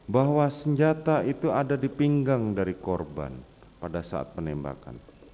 bahwa senjata itu ada di pinggang dari korban pada saat penembakan